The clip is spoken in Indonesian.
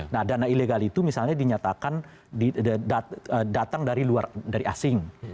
nah dana ilegal itu misalnya dinyatakan datang dari asing